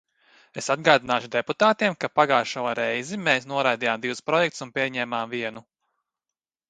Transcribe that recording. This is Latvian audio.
Es atgādināšu deputātiem, ka pagājušo reizi mēs noraidījām divus projektus un pieņēmām vienu.